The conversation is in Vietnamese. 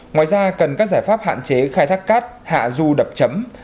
ngoài ra cần các giải pháp hạn chế khai thác cát hạ du đập chấm